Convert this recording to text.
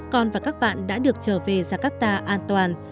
con và các bạn đã được trở về jakarta an toàn